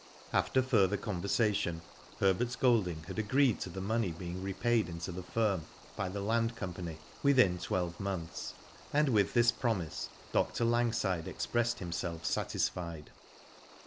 After further conversation^ Herbert Golding had agreed to the money being repaid into the firm by the Land Company within twelve months, and with this promise Dr. Langside expressed himself satisfied.